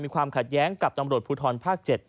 ความขัดแย้งกับตำรวจภูทรภาค๗